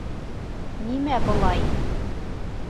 — Нимә былай?..